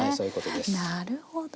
なるほど！